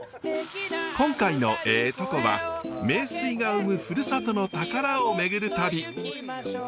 今回の「えぇトコ」は名水が生むふるさとの宝を巡る旅。